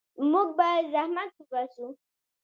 موږ باید زحمت وباسو.